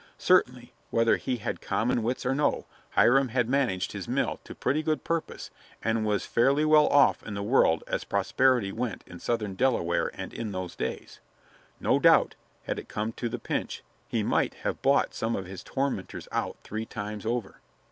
Certainly, whether he had common wits or no, Hiram had managed his mill to pretty good purpose and was fairly well off in the world as prosperity went in southern Delaware and in those days. No doubt, had it come to the pinch, he might have bought some of his tormentors out three times over.